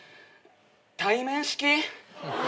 対面式！？